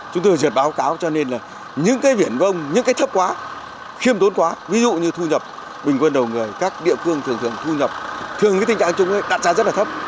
chúng tôi duyệt báo cáo cho nên là những cái viển vong những cái thấp quá khiêm tốn quá ví dụ như thu nhập bình quân đầu người các địa phương thường thường thu nhập thường cái tình trạng chung đặt ra rất là thấp